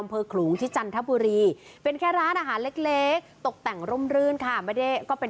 ขลุงที่จันทบุรีเป็นแค่ร้านอาหารเล็กตกแต่งร่มรื่นค่ะไม่ได้ก็เป็น